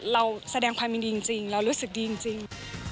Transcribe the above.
เราแสดงความยินดีจริงเรารู้สึกดีจริง